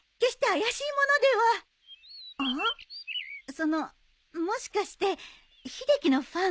そのもしかして秀樹のファン？